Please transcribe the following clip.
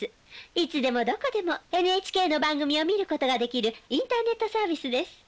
いつでもどこでもＮＨＫの番組を見ることができるインターネットサービスです。